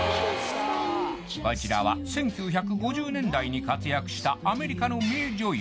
こちらは１９５０年代に活躍したアメリカの名女優